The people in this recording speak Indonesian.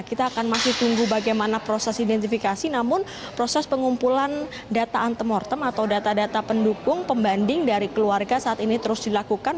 kita akan masih tunggu bagaimana proses identifikasi namun proses pengumpulan data antemortem atau data data pendukung pembanding dari keluarga saat ini terus dilakukan